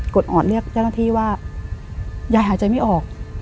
อดออดเรียกเจ้าหน้าที่ว่ายายหายใจไม่ออก